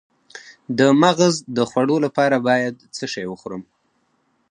د مغز د خوړو لپاره باید څه شی وخورم؟